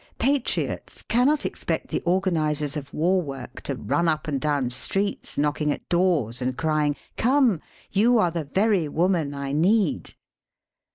Patriots cannot expect the organisers of war work to run up and down streets knocking at doors and crying: "Come! You are the very woman I need